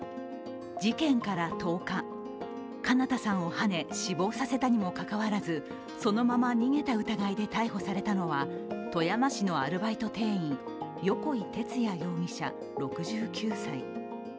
事件から１０日、翔向さんをはね、死亡させたにもかかわらずそのまま逃げた疑いで逮捕されたのは富山市のアルバイト店員横井徹哉容疑者、６９歳。